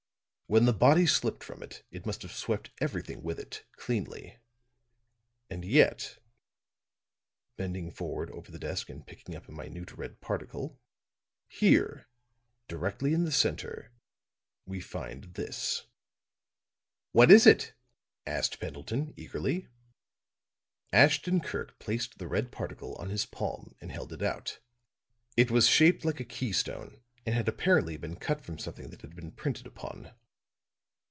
When the body slipped from it, it must have swept everything with it, cleanly. And yet," bending forward over the desk and picking up a minute red particle, "here, directly in the center, we find this." "What is it?" asked Pendleton, eagerly. Ashton Kirk placed the red particle on his palm and held it out. It was shaped like a keystone, and had apparently been cut from something that had been printed upon.